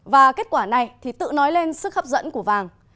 và kết quả này thì tự nói lên sức hấp dẫn của vàng